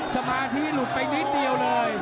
สมาธิหลุดไปนิดเดียวเลย